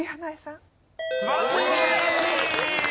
素晴らしい！